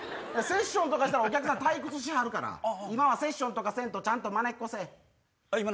セッションとかしたらお客さん退屈しはるから今はセッションとかせんとちゃんとまねっこせえ。